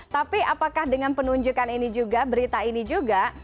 tapi apakah dengan penunjukan ini juga berita ini juga